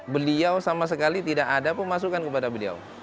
beliau sama sekali tidak ada pemasukan kepada beliau